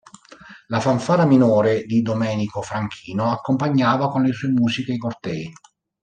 La fanfara minore di Domenico Franchino accompagnava con le sue musiche i cortei.